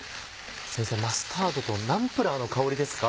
先生マスタードとナンプラーの香りですか？